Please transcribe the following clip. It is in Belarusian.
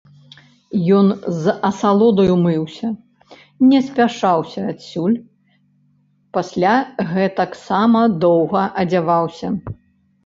Ён з асалодаю мыўся, не спяшаўся адсюль, пасля гэтаксама доўга адзяваўся.